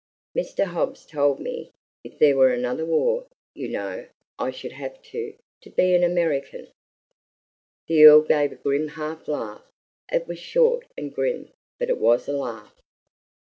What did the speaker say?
Mr. Hobbs told me, if there were another war, you know, I should have to to be an American." The Earl gave a grim half laugh it was short and grim, but it was a laugh.